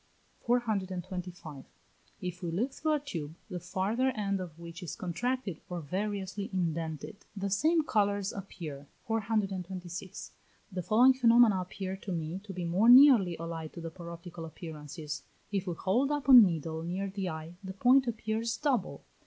425. If we look through a tube, the farther end of which is contracted or variously indented, the same colours appear. 426. The following phenomena appear to me to be more nearly allied to the paroptical appearances. If we hold up a needle near the eye, the point appears double.